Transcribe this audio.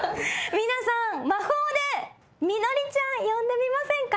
皆さん魔法でミノリちゃん呼んでみませんか？